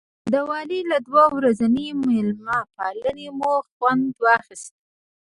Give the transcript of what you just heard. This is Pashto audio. د والي له دوه ورځنۍ مېلمه پالنې مو خوند واخیست.